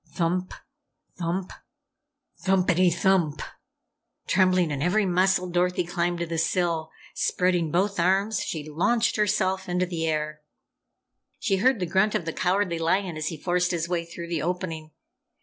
Thump, thump, THUMPETY THUMP! Trembling in every muscle, Dorothy climbed to the sill. Spreading both arms, she launched herself into the air. She heard the grunt of the Cowardly Lion as he forced his way through the opening.